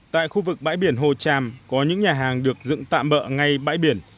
tại khu vực bãi biển hồ tràm có những nhà hàng được dựng tạm bỡ ngay bãi biển